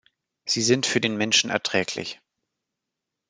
Sie sind für den Menschen erträglich.